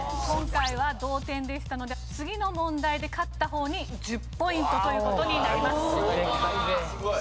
今回は同点でしたので次の問題で勝った方に１０ポイントという事になります。